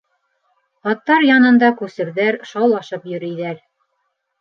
Аттар янында күсерҙәр шаулашып йөрөйҙәр.